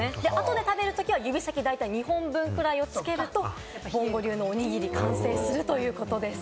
後で食べるときは大体指先２本分ぐらいつけると、ぼんご流おにぎり完成ということです。